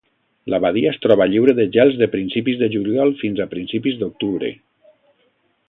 La badia es troba lliure de gels de principis de juliol fins a principis d'octubre.